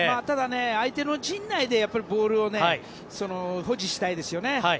ただ、相手の陣内でボールを保持したいですよね。